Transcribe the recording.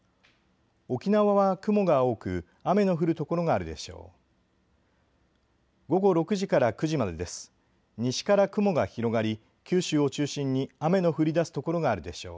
沖縄は雲が多く雨の降る所があるでしょう。